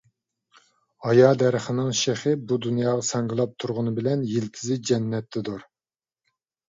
ھايا دەرىخىنىڭ شېخى بۇ دۇنياغا ساڭگىلاپ تۇرغىنى بىلەن يىلتىزى جەننەتتىدۇر.